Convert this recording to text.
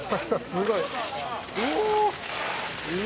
すごい。